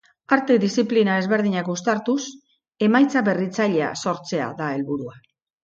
Arte diziplina ezberdinak uztartuz, emaitza berritzailea sortzea da helburua.